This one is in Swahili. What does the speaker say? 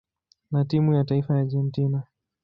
na timu ya taifa ya Argentina.